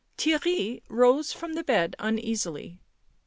Theirry rose from the bed uneasily.